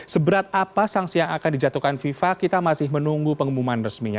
seberat apa sanksi yang akan dijatuhkan fifa kita masih menunggu pengumuman resminya